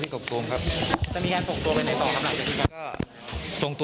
ปฏิเสรต์ครับปฏิเสรต์